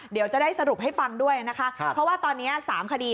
เดี๋ยวจะได้สรุปให้ฟังด้วยนะคะเพราะว่าตอนนี้๓คดี